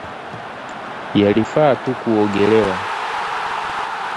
Yalifaa tu kuogelewa